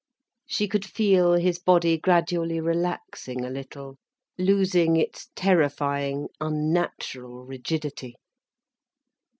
She could feel his body gradually relaxing a little, losing its terrifying, unnatural rigidity.